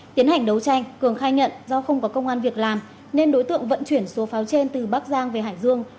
tiến hành đấu tranh cường khai nhận do không có công an việc làm nên đối tượng vận chuyển số pháo trên từ bắc giang về hải dương